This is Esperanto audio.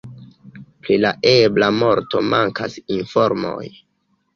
Pri la ebla morto mankas informoj.